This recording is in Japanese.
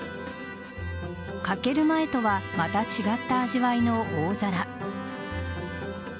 欠ける前とはまた違った味わいの大皿。